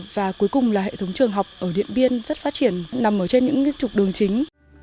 và cuối cùng là hệ thống trường học ở điện biên rất phát triển nằm ở trên những trục đường chính